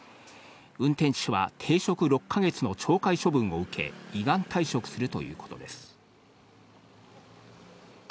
運転手は停職６か月の懲戒処分を受け、依願退職するということです。